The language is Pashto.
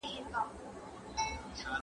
تش د اميدونو ګيلاسونه مي راوړي دي